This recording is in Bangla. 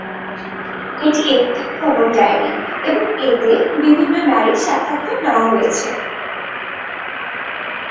এটি একটি ভ্রমণ ডায়েরি এবং এতে বিভিন্ন নারীর সাক্ষাৎকার নেওয়া হয়েছে।